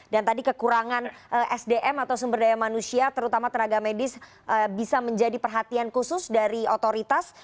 dan tadi kekurangan sdm atau sumber daya manusia terutama tenaga medis bisa menjadi perhatian khusus dari otoritas